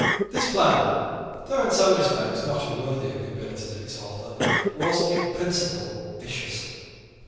This plan, though in some respects not unworthy of the abilities of its author, was in principle vicious.